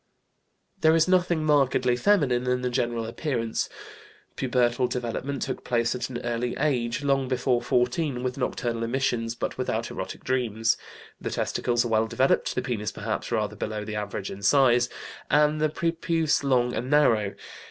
There is nothing markedly feminine in the general appearance. Pubertal development took place at an early age, long before fourteen, with nocturnal emissions, but without erotic dreams. The testicles are well developed, the penis perhaps rather below the average in size, and the prepuce long and narrow.